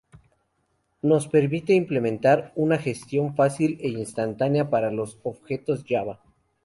Nos permite implementar una gestión fácil e instantánea para los objetos Java.